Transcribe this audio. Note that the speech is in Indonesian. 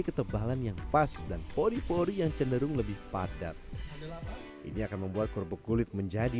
ketebalan yang pas dan pori pori yang cenderung lebih padat ini akan membuat kerupuk kulit menjadi